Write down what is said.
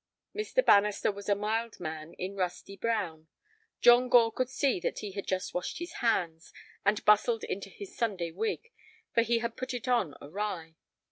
Mr. Bannister was a mild man in rusty brown. John Gore could see that he had just washed his hands and bustled into his Sunday wig, for he had put it on awry.